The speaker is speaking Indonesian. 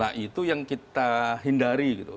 nah itu yang kita hindari gitu